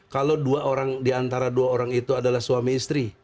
kalau diantara dua orang itu adalah suami istri